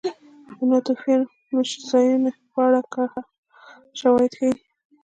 د ناتوفیان مېشتځایونو په اړه کره شواهد ښيي